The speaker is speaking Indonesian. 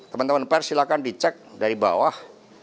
teman teman pers silahkan dicek dari bawah